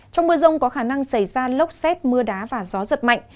trong mưa rông có khả năng xảy ra lốc xét mưa đá và gió giật mạnh